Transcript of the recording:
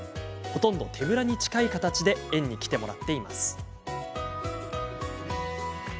ほとんど手ぶらに近い形で園に来てもらっています。